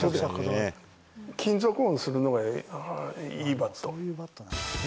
金属音するのがいいバット。